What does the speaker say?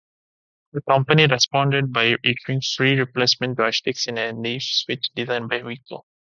The company responded by issuing free replacement joysticks in a leaf-switch design by Wico.